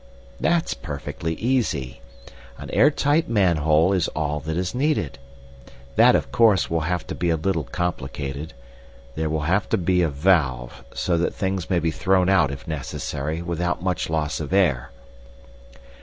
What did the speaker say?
"That's perfectly easy. An air tight manhole is all that is needed. That, of course, will have to be a little complicated; there will have to be a valve, so that things may be thrown out, if necessary, without much loss of air."